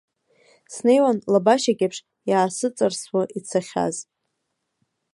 Снеиуан, лабашьак еиԥш, иаасыҵарсуа ицахьаз.